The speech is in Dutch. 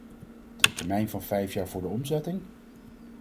De termijn van vijf jaar voor de omzetting.....